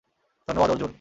ধন্যবাদ, অর্জুন।